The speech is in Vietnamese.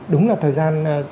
đúng là thời gian